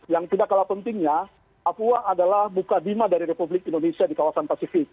yang tidak kalah pentingnya papua adalah buka bima dari republik indonesia di kawasan pasifik